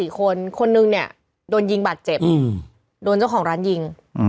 ๔คนคนนึงเนี่ยโดนยิงบาดเจ็บโดนเจ้าของร้านยิง